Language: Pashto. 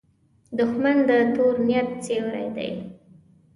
دښمن د تور نیت سیوری دی